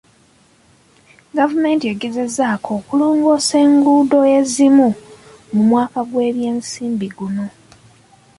Gavumenti egezezzaako okulongoosa enguudo ezimu mu mwaka gw'ebyensimbi guno.